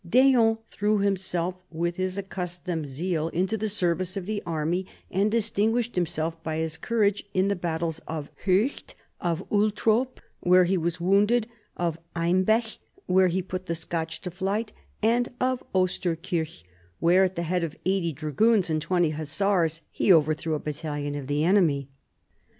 D'Eon threw himself with his accustomed zeal into the service of the army and distinguished himself by his courage in the battles of Hoecht; of Ultrop, where he was wounded; of Eimbech where he put the Scotch to flight; and of Osterkirk, where at the head of 80 dragoons and 20 hussars he overthrew a battalion of the enemy.